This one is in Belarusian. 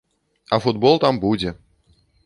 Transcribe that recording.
А футбол там будзе.